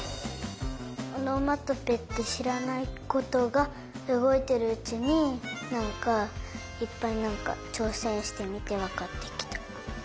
おのまとぺってしらないことがうごいてるうちになんかいっぱいちょうせんしてみてわかってきた。